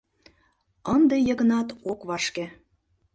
Ынде Йыгнат ок вашке.